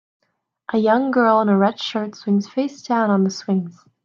A young girl in a red shirt swings face down on the swings